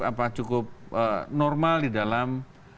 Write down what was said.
apa cukup normal di dalam